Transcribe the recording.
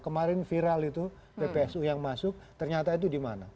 kemarin viral itu ppsu yang masuk ternyata itu di mana